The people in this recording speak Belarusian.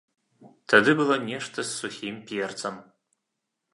Тады было нешта з сухім перцам.